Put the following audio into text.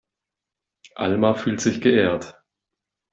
Alma fühlt sich geehrt.